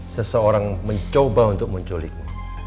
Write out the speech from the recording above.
seseorang mencoba untuk menculikmu